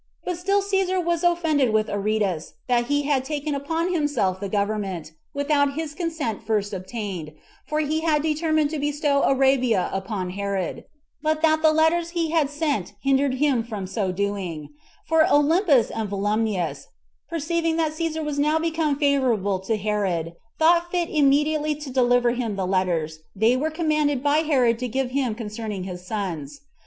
But still Cæsar was offended with Aretas, that he had taken upon himself the government, without his consent first obtained, for he had determined to bestow Arabia upon Herod; but that the letters he had sent hindered him from so doing; for Olympus and Volumnius, perceiving that Cæsar was now become favorable to Herod, thought fit immediately to deliver him the letters they were commanded by Herod to give him concerning his sons.